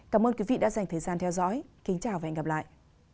cảm ơn quý vị đã dành thời gian theo dõi kính chào và hẹn gặp lại